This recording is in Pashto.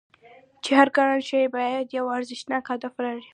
چې هر ګران شی باید یو ارزښتناک هدف ولري